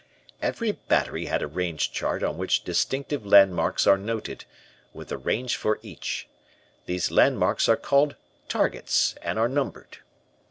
"Every battery has a range chart on which distinctive landmarks are noted, with the range for each. These landmarks are called targets, and are numbered.